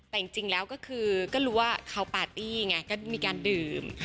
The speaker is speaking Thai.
แต่จริงแล้วก็คือก็รู้ว่าเขาปาร์ตี้ไงก็มีการดื่ม